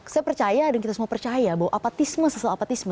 saya percaya dan kita semua percaya bahwa apatisme sesel apatisme